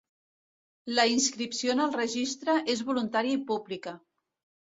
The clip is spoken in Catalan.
La inscripció en el Registre és voluntària i pública.